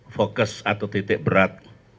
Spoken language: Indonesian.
fokus atau titik berat